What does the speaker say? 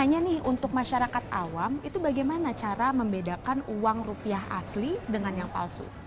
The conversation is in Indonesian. jadi antara denom itu berbeda garisnya